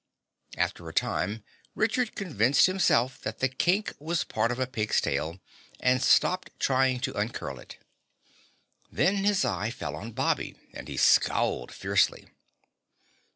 After a time Richard convinced himself that the kink was a part of the pig's tail and stopped trying to uncurl it. Then his eye fell on Bobby and he scowled fiercely.